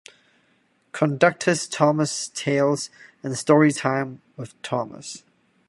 Conductor's Thomas Tales" and "Storytime with Thomas".